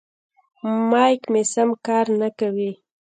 مایک مې سم کار نه کوي.